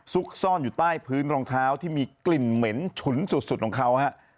ซุกซ่อนอยู่ใต้พื้นรองเท้าที่มีกลิ่นเหม็นฉุนสุดของเขาฮะ